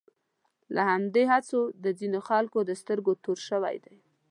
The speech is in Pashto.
په همدې هڅو د ځینو خلکو د سترګو تور شوی دی.